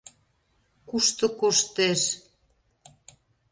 Кушто коштеш?